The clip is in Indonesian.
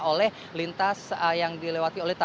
oleh lintas yang dilewati